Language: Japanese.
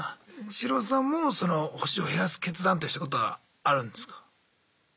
シロウさんもその星を減らす決断ってしたことはあるんですか？